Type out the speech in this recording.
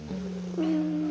うん。